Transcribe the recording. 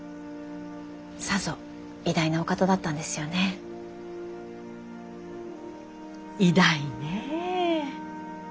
さぞ偉大なお方だったんですよね。偉大ねえ。